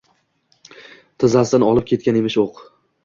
Tizzasidan olib ketgan emish o’q…